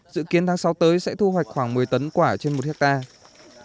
dự kiến tháng sáu tới sẽ thu hoạch khoảng một mươi tấn quả trên một hectare